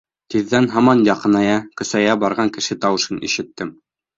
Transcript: Тиҙҙән һаман яҡыная, көсәйә барған кеше тауышын ишеттем.